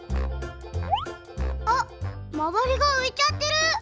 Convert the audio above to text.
あっまわりがういちゃってる！